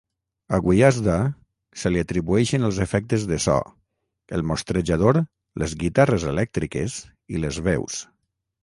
A Gwiazda se li atribueixen els efectes de so, el mostrejador, les guitarres elèctriques i les veus.